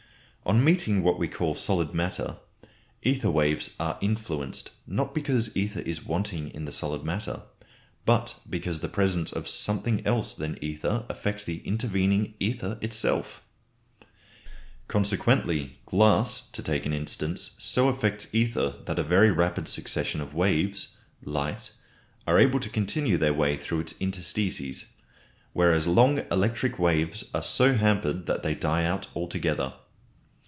On meeting what we call solid matter, ether waves are influenced, not because ether is wanting in the solid matter, but because the presence of something else than ether affects the intervening ether itself. Consequently glass, to take an instance, so affects ether that a very rapid succession of waves (light) are able to continue their way through its interstices, whereas long electric waves are so hampered that they die out altogether.